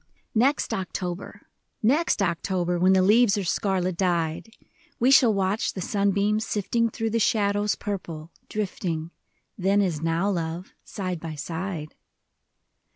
EXT October, next October, When the leaves are scarlet dyed, We shall watch the sunbeams sifting Through the shadows purple, drifting. Then as now, love, side by side.